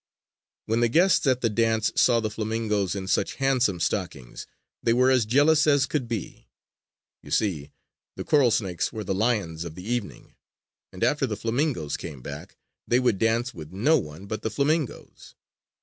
When the guests at the dance saw the flamingoes in such handsome stockings, they were as jealous as could be. You see, the coral snakes were the lions of the evening, and after the flamingoes came back, they would dance with no one but the flamingoes.